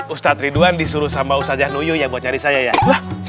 ustadz musa pede banget ya orangnya